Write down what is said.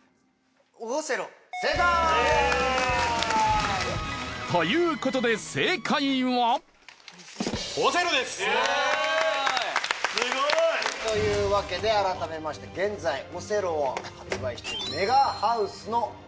正解！ということで正解はすごい！というわけで改めまして現在オセロを発売している。